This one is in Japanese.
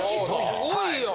すごいやん。